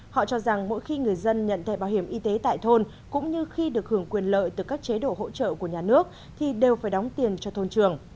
họ cho rằng mỗi khi người dân nhận thẻ bảo hiểm y tế tại thôn cũng như khi được hưởng quyền lợi từ các chế độ hỗ trợ của nhà nước thì đều phải đóng tiền cho thôn trường